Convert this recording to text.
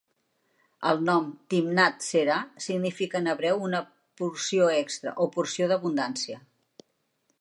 El nom "Timnath-serah" significa en hebreu una "porció extra" o "porció d'abundància".